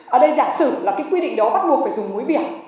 ở đây giả sử là cái quy định đó bắt buộc phải dùng muối biển